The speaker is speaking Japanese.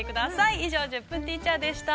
以上、「１０分ティーチャー」でした。